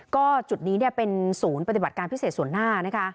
ก็จุดนี้เป็นศูนย์ปฏิบัติการพิเศษส่วนหน้านะคะ